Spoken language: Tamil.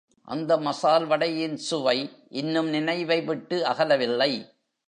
அந்த மசால் வடையின் சுவை இன்னும் நினைவை விட்டு அகலவில்லை.